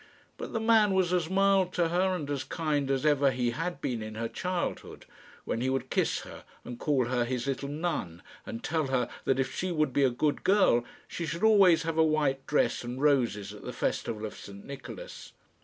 But the man was as mild to her and as kind as ever he had been in her childhood, when he would kiss her, and call her his little nun, and tell her that if she would be a good girl she should always have a white dress and roses at the festival of St Nicholas.